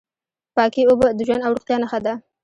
پاکې اوبه د ژوند او روغتیا نښه ده.